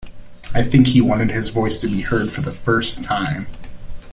I think he wanted his voice to be heard for the first time.